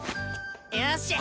よし！